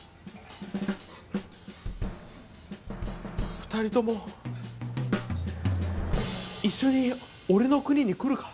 ２人とも一緒に俺の国に来るか？